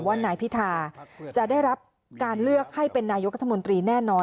ว่านายพิธาจะได้รับการเลือกให้เป็นนายกรัฐมนตรีแน่นอน